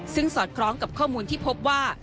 ซึ่งสอดคล้องกับข้อมูลที่พบว่า